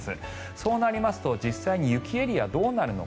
そうなりますと実際に雪エリア、どうなるのか。